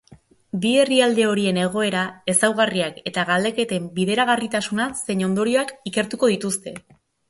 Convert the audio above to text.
Bi herrialde horien egoera, ezaugarriak eta galdeketen bideragarritasuna zein ondorioak ikertuko dituzte.